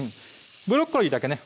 ブロッコリーだけね